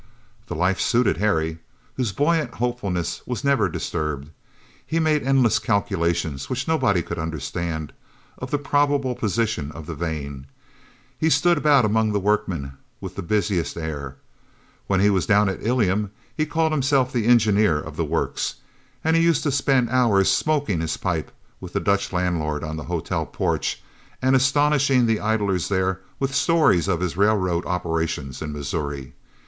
The life suited Harry, whose buoyant hopefulness was never disturbed. He made endless calculations, which nobody could understand, of the probable position of the vein. He stood about among the workmen with the busiest air. When he was down at Ilium he called himself the engineer of the works, and he used to spend hours smoking his pipe with the Dutch landlord on the hotel porch, and astonishing the idlers there with the stories of his railroad operations in Missouri.